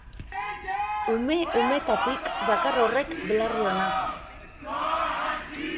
Ume-umetatik dakar horrek belarri ona.